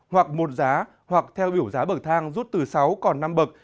hoặc một giá hoặc theo biểu giá bậc thang rút từ sáu còn năm bậc